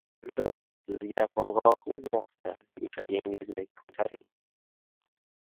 • Ko‘pincha tashqi ko‘rinish aldamchi bo‘ladi.